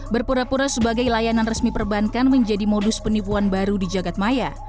berpura pura sebagai layanan resmi perbankan menjadi modus penipuan baru di jagadmaya